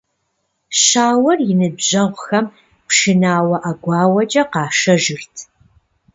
Щауэр и ныбжьэгъухэм пшынауэ, ӀэгуауэкӀэ къашэжырт.